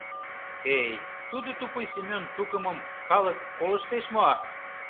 — Эй, тудо тупуй Семен тукымым калык колыштеш мо!